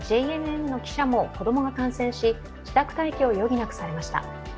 ＪＮＮの記者も子供が感染し、自宅待機を余儀なくされました。